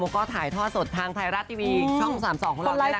แล้วก็ถ่ายทอดสดทางไทยรัสทีวีช่อง๓๒ของเราได้นะคะ